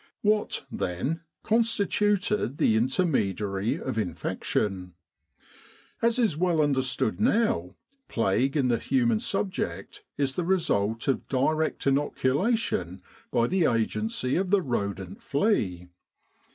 What, then, constituted the intermediary of infection ? As is well understood now, plague in the human subject is the result of direct inoculation by the agency of the rodent flea.